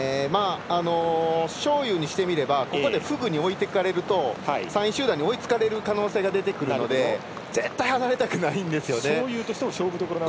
章勇にしてみればここでフグに置いていかれると３位集団に追いつかれる可能性が出てくるので絶対、離れたくないんです。